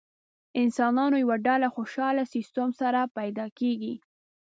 انسانانو یوه ډله خوشاله سیستم سره پیدا کېږي.